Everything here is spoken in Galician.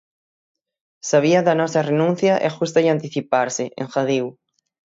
"Sabía da nosa renuncia e gústalle anticiparse", engadiu.